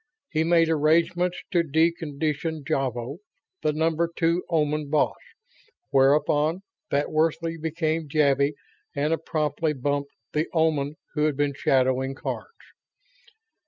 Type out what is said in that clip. He made arrangements to decondition Javo, the Number Two Oman Boss, whereupon that worthy became Javvy and promptly "bumped" the Oman who had been shadowing Karns.